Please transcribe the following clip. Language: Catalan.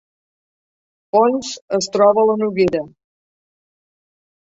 Ponts es troba a la Noguera